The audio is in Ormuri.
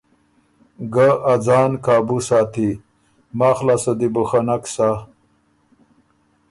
ګۀ ا ځان قابُو ساتئ، ماخ لاسته دی بُو خه نک سَۀ۔